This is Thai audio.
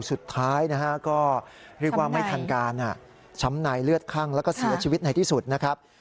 สุดท้ายนะฮะก็เรียกว่าไม่ทันการช้ำในเลือดคั่งแล้วก็เสียชีวิตในที่สุดนะครับ